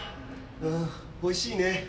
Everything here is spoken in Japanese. うんおいしいね。